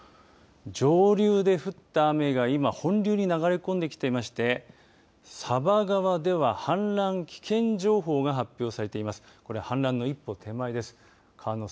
上流で降った雨が今、本流に流れ込んできていまして佐波川側では氾濫危険情報が発表されています。